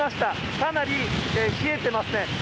かなり冷えてますね。